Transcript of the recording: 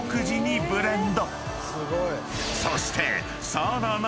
［そして］